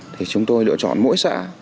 thì chúng tôi lựa chọn mỗi xã